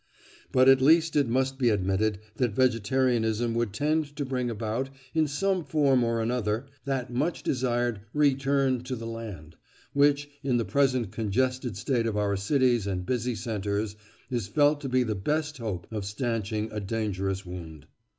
But at least it must be admitted that vegetarianism would tend to bring about, in some form or other, that much desired return to the land, which, in the present congested state of our cities and busy centres, is felt to be the best hope of stanching a dangerous wound.